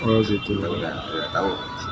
lu situ udah